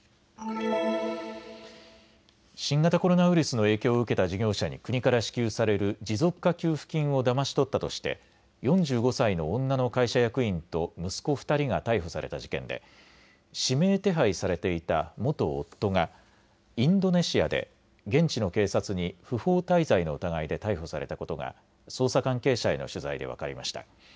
新型コロナウイルスの影響を受けた事業者に国から支給される持続化給付金をだまし取ったとして４５歳の女の会社役員と息子２人が逮捕された事件で指名手配されていた元夫がインドネシアで現地の警察に不法滞在の疑いで逮捕されたことが捜査関係者への取材で分かりました。